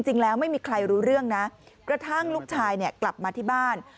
จริงแล้วไม่มีใครรู้เรื่องนะกระทั่งลูกชายเนี่ยกลับมาที่บ้าน